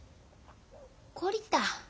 懲りた。